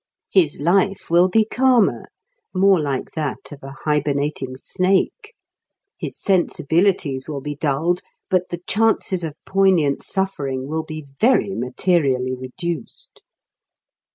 His life will be calmer, more like that of a hibernating snake; his sensibilities will be dulled; but the chances of poignant suffering will be very materially reduced.